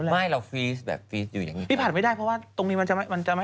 ไม่ชอบเพราะตรงนี้จะไม่มายุ่ง